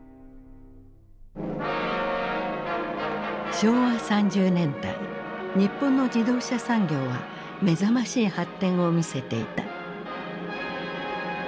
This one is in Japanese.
昭和３０年代日本の自動車産業は目覚ましい発展を見せていた。